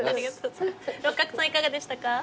六角さんいかがでしたか？